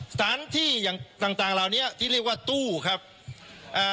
สถานที่อย่างต่างต่างเหล่านี้ที่เรียกว่าตู้ครับอ่า